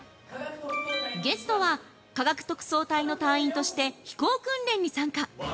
ゲストは、科学特捜隊の隊員として飛行訓練に参加。